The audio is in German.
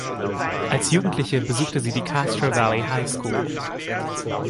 Als Jugendliche besuchte sie die Castro Valley High School.